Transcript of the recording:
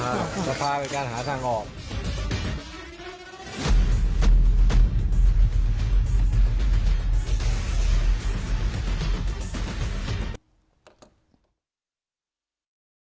การที่พูดไข่กันไปกันมาไม่เกิดประโยชน์ในสภาพ